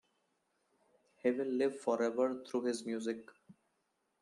He'll live forever through his music.